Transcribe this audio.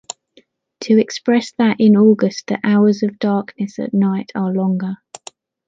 To express that in August the hours of darkness at night are longer.